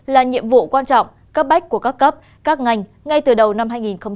là nhiệm vụ quan trọng cấp bách của các cấp các ngành ngay từ đầu năm hai nghìn hai mươi